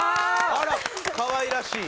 あらかわいらしい。